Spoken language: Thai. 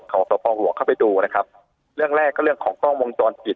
ของสภหลวงเข้าไปดูนะครับเรื่องแรกก็เรื่องของกล้องวงจรปิด